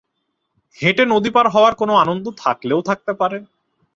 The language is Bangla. হেঁটে নদী পার হওয়ার কোনো আনন্দ থাকলেও থাকতে পারে।